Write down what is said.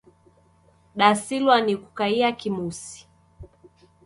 Dasilwa ni kukaia kimusi